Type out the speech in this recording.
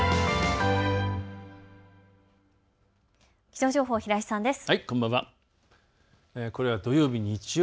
気象情報、平井さんです。